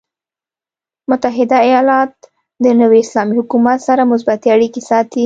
متحده ایالات د نوي اسلامي حکومت سره مثبتې اړیکې ساتي.